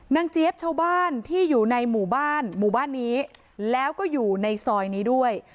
เจี๊ยบชาวบ้านที่อยู่ในหมู่บ้านหมู่บ้านนี้แล้วก็อยู่ในซอยนี้ด้วย